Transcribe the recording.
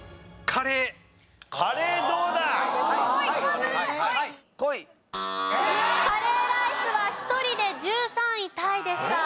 カレーライスは１人で１３位タイでした。